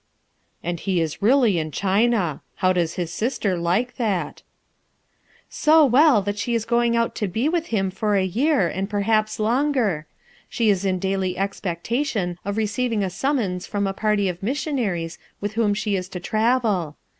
"And he is really in China 1 How does his sister like that?" "So well that she is going out to be with him for a year, and perhaps longer. She is in daily expectation of receiving a summons from a party of missionaries with whom she is to travel.